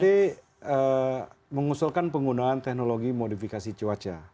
pt mengusulkan penggunaan teknologi modifikasi cuaca